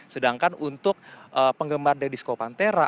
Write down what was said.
sedangkan untuk penggemar the disco pantera